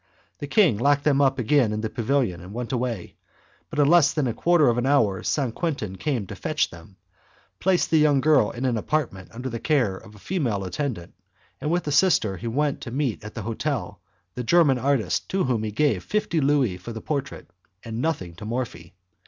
The king locked them up again in the pavilion and went away, but in less than a quarter of an hour St. Quentin came to fetch them, placed the young girl in an apartment under the care of a female attendant, and with the sister he went to meet at the hotel the German artist to whom he gave fifty Louis for the portrait, and nothing to Morphi.